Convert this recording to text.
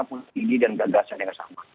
politik dan beragas yang sama